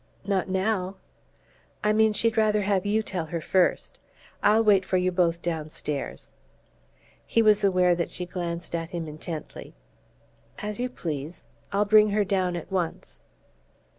"Not now?" "I mean she'd rather have you tell her first. I'll wait for you both downstairs." He was aware that she glanced at him intently. "As you please. I'll bring her down at once."